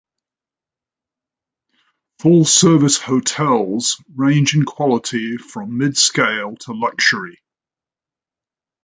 Full-service hotels range in quality from mid-scale to luxury.